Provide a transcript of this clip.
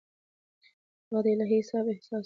هغه د الهي حساب احساس درلود.